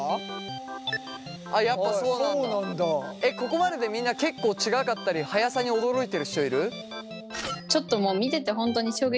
ここまででみんな結構違かったり速さに驚いてる人いる？